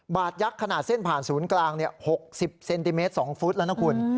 บาทยักษ์ขนาดเส้นผ่านศูนย์กลาง๖๐เซนติเมตร๒ฟุตแล้วนะคุณ